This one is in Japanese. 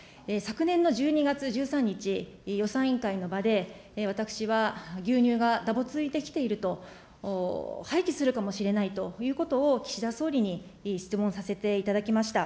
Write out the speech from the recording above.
昨年の１２月１３日、予算委員会の場で、私は、牛乳がだぶついてきていると廃棄するかもしれないということを、岸田総理に質問させていただきました。